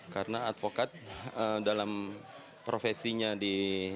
karena advokat dalam profesinya di